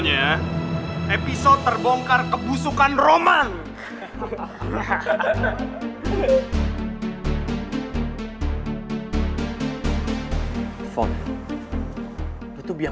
congratulations dressah valentine kembali lagi saling producing video depan